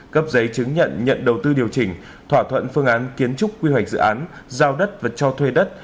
cấp giấy chứng nhận nhận đầu tư điều chỉnh thỏa thuận phương án kiến trúc quy hoạch dự án giao đất và cho thuê đất